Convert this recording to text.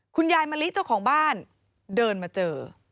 มะลิเจ้าของบ้านเดินมาเจอ